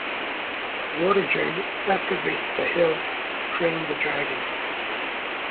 Vortigern excavates the hill, freeing the dragons.